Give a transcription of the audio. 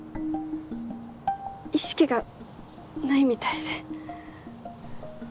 意識がないみたいで。